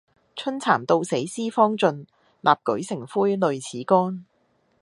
春蠶到死絲方盡，蠟炬成灰淚始干。